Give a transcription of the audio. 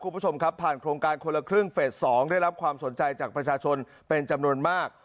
คุณผู้ชมครับผ่านโครงการคนละครึ่งเฟส๒ได้รับความสนใจจากประชาชนเป็นจำนวนมาก